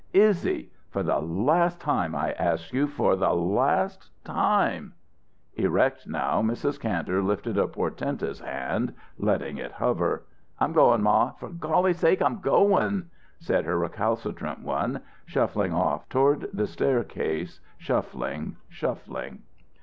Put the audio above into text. Iz zy for the last time I ask you for the last time " Erect now, Mrs. Kantor lifted a portentous hand, letting it hover. "I'm goin', ma; for golly sakes, I'm goin'!" said her recalcitrant one, shuffling off toward the staircase, shuffling, shuffling.